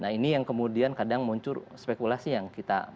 nah ini yang kemudian kadang muncul spekulasi yang kita